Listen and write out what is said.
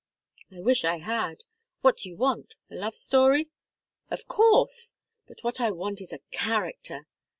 "I wish I had! What do you want? A love story?" "Of course. But what I want is a character.